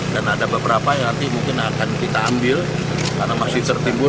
dan ada beberapa yang nanti mungkin akan kita ambil karena masih tertimbun